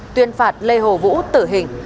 tuyên phạt lê hồ vũ tử hình